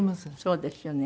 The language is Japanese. そうですよね。